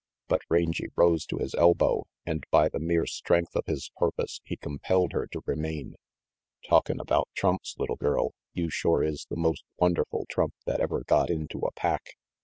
But Rangy rose to his elbow, and by the mere strength of his purpose he compelled her to remain. "Talkin' about trumps, little girl, you shore is the most wonderful trump that ever got into a pack.